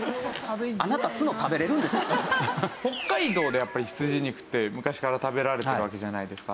北海道でやっぱり羊肉って昔から食べられてるわけじゃないですか。